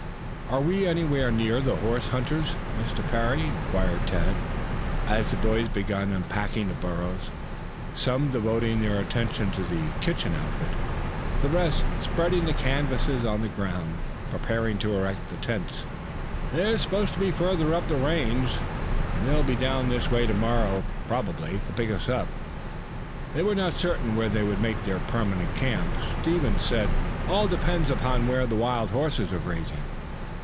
"Are we anywhere near the horse hunters, Mr. Parry?" inquired Tad, as the boys began unpacking the burros, some devoting their attention to the kitchen outfit, the rest spreading the canvas on the ground preparatory to erecting the tents. "They are supposed to be further up the range. They will be down this way to morrow, probably, to pick us up. They were not certain where they would make their permanent camp, Stevens said. All depends upon where the wild horses are grazing."